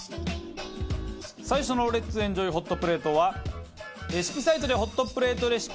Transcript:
最初のＬｅｔ’ｓｅｎｊｏｙホットプレートはレシピサイトでホットプレートレシピ